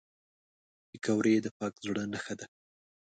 پکورې د پاک زړه نښه ده